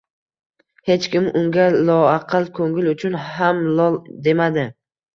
Hech kim unga loaqal ko`ngil uchun ham qol demadi